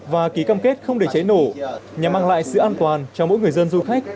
và ký cam kết không để cháy nổ nhằm mang lại sự an toàn cho mỗi người dân du khách